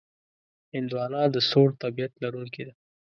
هندوانه د سوړ طبیعت لرونکې ده.